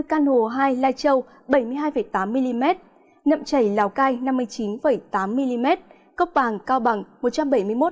căn hồ hai lai châu bảy mươi hai tám mm nậm chảy lào cai năm mươi chín tám mm cốc bàng cao bằng một trăm bảy mươi một mm